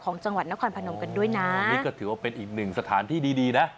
จังหวัดนครพนมกันด้วยนะนี่ก็ถือว่าเป็นอีกหนึ่งสถานที่ดีดีนะ